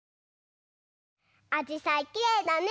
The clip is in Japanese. あじさいきれいだね。